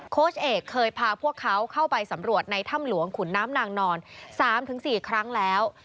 โค้ชเอกเคยพาพวกเขาเข้าไปสำรวจในถ้ำหลวงขุนน้ำนางนอน๓๔ครั้งแล้ว